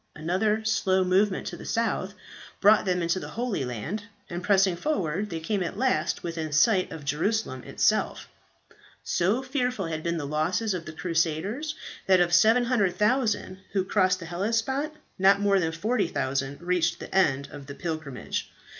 Another slow movement to the south brought them into the Holy Land, and pressing forward, they came at last within sight of Jerusalem itself. "So fearful had been the losses of the crusaders that of 700,000 who crossed the Hellespont, not more than 40,000 reached the end of the pilgrimage.